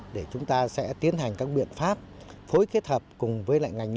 để chúng ta sẽ tiến hành các biện pháp phối kết hợp cùng với ngành lông